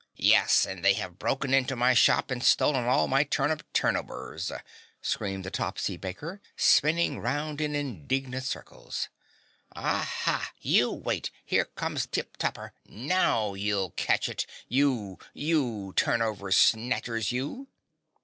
"Yes, and they have broken into my shop and stolen all my turnip turnovers," screamed the Topsy Baker, spinning round in indignant circles. "Aha, you wait, here comes Tip Topper. Now you'll catch it you, you Turnover snatchers, you!"